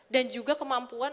dan juga kemampuan